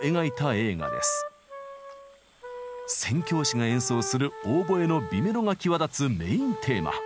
宣教師が演奏するオーボエの美メロが際立つメインテーマ。